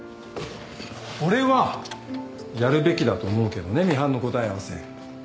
俺はやるべきだと思うけどねミハンの答え合わせ。